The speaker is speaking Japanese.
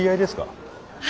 はい。